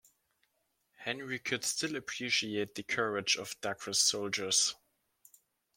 Henry could still appreciate the courage of Dacre's soldiers.